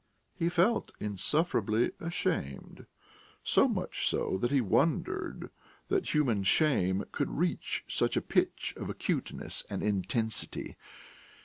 He felt insufferably ashamed, so much so that he wondered that human shame could reach such a pitch of acuteness and intensity.